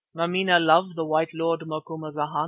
Mameena love the white lord Macumazana.